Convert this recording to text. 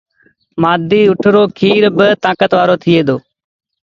مآڌيٚ اُٺڻ رو کير با تآنڪت وآرو ٿئي دو۔